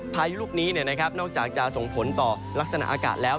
พายุลูกนี้นอกจากจะส่งผลต่อลักษณะอากาศแล้ว